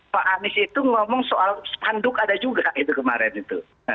pak anies itu ngomong soal spanduk ada juga itu kemarin itu